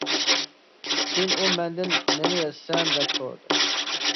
كېيىن ئۇ مەندىن نېمە يازىسەن دەپ سورىدى.